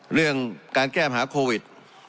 เรื่องการแก้ปัญหาโควิด